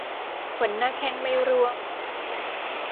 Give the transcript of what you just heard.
ขนหน้าแข้งไม่ร่วง